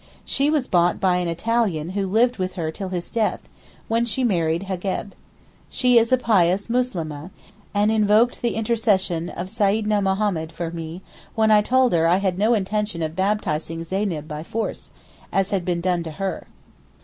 She was bought by an Italian who lived with her till his death, when she married Hegab. She is a pious Muslimeh, and invoked the intercession of Seyidna Mohammad for me when I told her I had no intention of baptizing Zeyneb by force, as had been done to her.